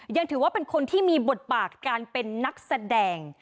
ยังถือว่าเป็นคนที่มีบทบาทการเป็นนักแสดง